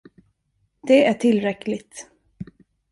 Det är tillräckligt.